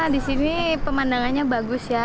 disini pemandangannya bagus ya